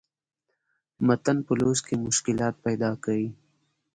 متن پۀ لوست کښې مشکلات پېدا کوي